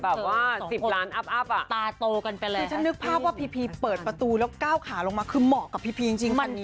แบบว่า๑๐ล้านอัพอ่ะตาโตกันไปแล้วคือฉันนึกภาพว่าพีพีเปิดประตูแล้วก้าวขาลงมาคือเหมาะกับพีพีจริงวันนี้